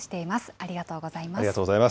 ありがとうございます。